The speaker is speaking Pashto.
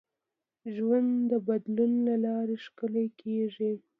ژوند د بدلون له لارې ښکلی کېږي.